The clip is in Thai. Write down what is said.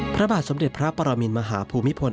พระบาทสำเร็จพระปรามิณมหาภูมิเมียสังค์